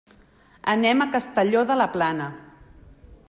Anem a Castelló de la Plana.